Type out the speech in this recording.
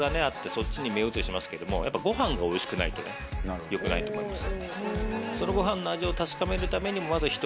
そっちに目移りしますけどやっぱご飯がおいしくないとよくないと思います。